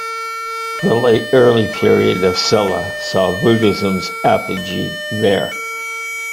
The late early period of Silla saw Buddhism's apogee there.